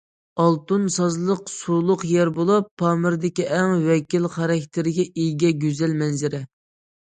ئالتۇن سازلىق سۇلۇق يەر بولۇپ، پامىردىكى ئەڭ ۋەكىل خاراكتېرگە ئىگە گۈزەل مەنزىرە.